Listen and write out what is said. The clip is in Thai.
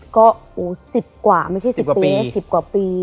ก็๑๐กว่าไม่ใช่๑๐ปี๑๐กว่าปี